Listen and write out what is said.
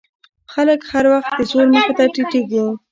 خلک هر وخت د زور مخې ته ټیټېږي.